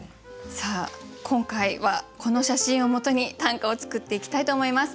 さあ今回はこの写真をもとに短歌を作っていきたいと思います。